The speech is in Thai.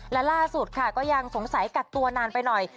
และล่าสุดค่ะก็ยังสงสัยกักตัวนานไปหน่อย